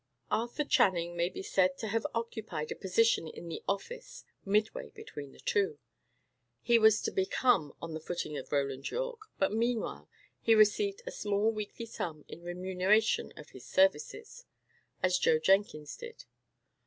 Arthur Channing may be said to have occupied a position in the office midway between the two. He was to become on the footing of Roland Yorke; but meanwhile, he received a small weekly sum in remuneration of his services, as Joe Jenkins did.